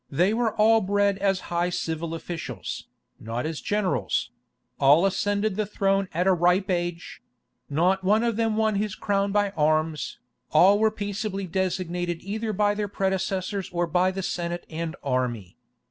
They were all bred as high civil officials, not as generals; all ascended the throne at a ripe age; not one of them won his crown by arms, all were peaceably designated either by their predecessors, or by the Senate and army.